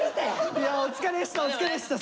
いやお疲れしたお疲れした。